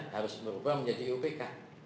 harus berubah menjadi iupk